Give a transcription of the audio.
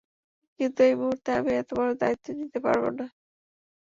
কিন্তু এই মুহুর্তে আমি এত বড় দায়িত্ব নিতে পারবো না।